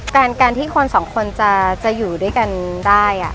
การที่คนสองคนจะอยู่ด้วยกันได้